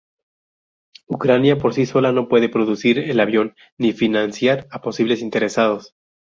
Ucrania por sí sola no puede producir el avión ni financiar a posibles interesados.